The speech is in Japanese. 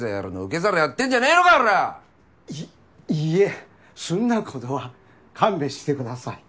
いいえそんなことは勘弁してください。